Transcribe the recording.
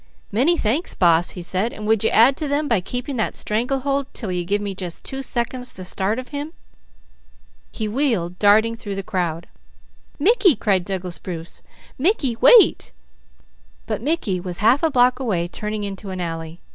"Many thanks, Boss," he said. "And would you add to them by keeping that strangle hold 'til you give me just two seconds the start of him?" He wheeled, darting through the crowd. "Mickey!" cried Douglas Bruce. "Mickey, wait!" But Mickey was half a block away turning into an alley.